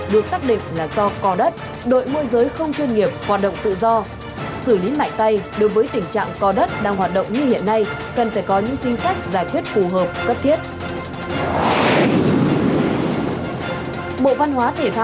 đường không đường bộ đường biển từ ngày một mươi năm tháng ba